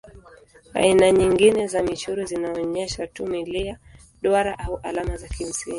Aina nyingine za michoro zinaonyesha tu milia, duara au alama za kimsingi.